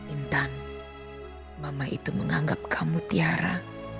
intan mama itu menganggap kamu tiara